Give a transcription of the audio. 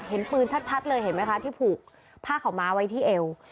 เห็นปืนชัดเลยเห็นไหมคะที่ผูกผ้าขาวม้าไว้ที่เอว